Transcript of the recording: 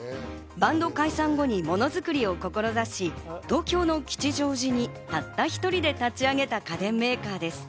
バンド解散後にものづくりを志し、東京の吉祥寺にたった１人で立ち上げた家電メーカーです。